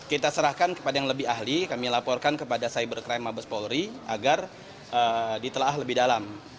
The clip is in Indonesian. kita serahkan kepada yang lebih ahli kami laporkan kepada cybercrime mabes polri agar ditelah lebih dalam